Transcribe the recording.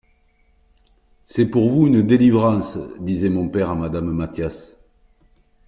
C'est pour vous une delivrance, disait mon pere a Madame Mathias.